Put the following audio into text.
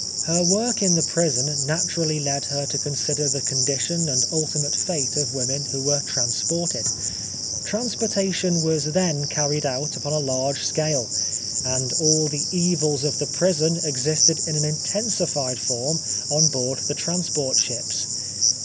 Her work in the prison naturally led her to consider the condition and ultimate fate of women who were transported. Transportation was then carried out upon a large scale, and all the evils of the prison existed in an intensified form on board the transport ships.